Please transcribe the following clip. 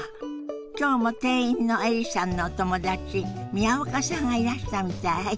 今日も店員のエリさんのお友達宮岡さんがいらしたみたい。